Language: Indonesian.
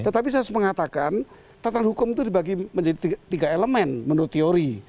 tetapi saya harus mengatakan tatan hukum itu dibagi menjadi tiga elemen menurut teori